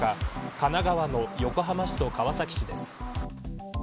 神奈川の横浜市と川崎市です。